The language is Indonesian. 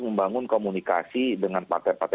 membangun komunikasi dengan partai partai